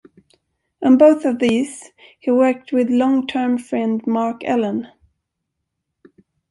On both of these he worked with long term friend Mark Ellen.